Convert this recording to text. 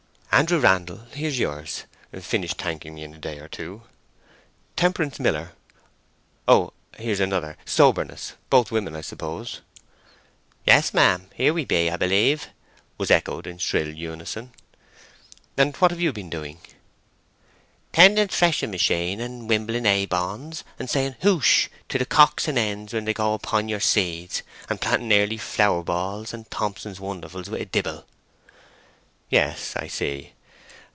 "Andrew Randle, here's yours—finish thanking me in a day or two. Temperance Miller—oh, here's another, Soberness—both women I suppose?" "Yes'm. Here we be, 'a b'lieve," was echoed in shrill unison. "What have you been doing?" "Tending thrashing machine and wimbling haybonds, and saying 'Hoosh!' to the cocks and hens when they go upon your seeds, and planting Early Flourballs and Thompson's Wonderfuls with a dibble." "Yes—I see.